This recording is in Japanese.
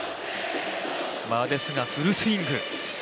ですが、フルスイング。